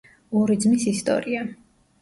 ორი ძმის ისტორია.